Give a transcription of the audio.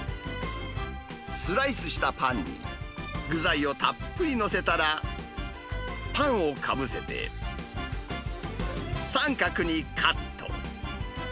スライスしたパンに具材をたっぷり載せたら、パンをかぶせて、三角にカット。